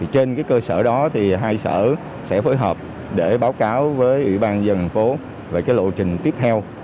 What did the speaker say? trên cơ sở đó hai sở sẽ phối hợp để báo cáo với ủy ban dân thành phố về lộ trình tiếp theo